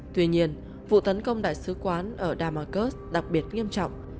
tuy nhiên vụ tấn công đại sứ quán ở damasurs đặc biệt nghiêm trọng